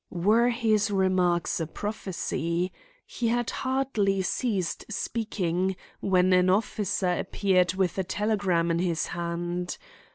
Were his remarks a prophecy? He had hardly ceased speaking when an officer appeared with a telegram in his hand.